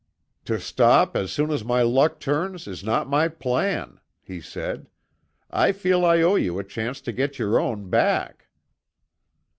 "To stop as soon as my luck turns is not my plan," he said. "I feel I owe you a chance to get your own back."